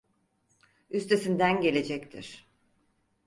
Üstesinden gelecektir.